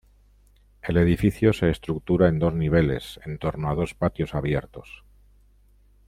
El edificio se estructura en dos niveles, en torno a dos patios abiertos.